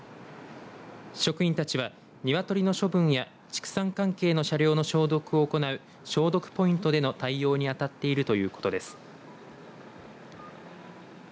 職員たちはニワトリの処分や畜産関係の車両の消毒を行う消毒ポイントでの対応にあたっているということです。